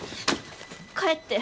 帰って。